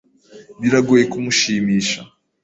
Biragoye kumushimisha.